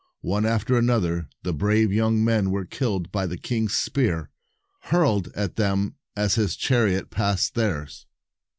One after another, the brave young men were killed by the king's spear, hurled at them as his chariot passed theirs.